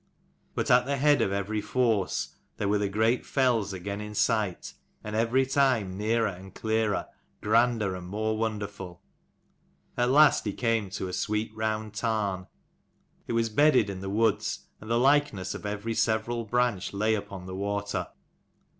But at the head of every force, there were the great fells again in sight, and every time nearer and clearer, grander and more wonderful. At last he came to a sweet round tarn. It was bedded in the woods, and the likeness of every several 86 branch lay upon the water.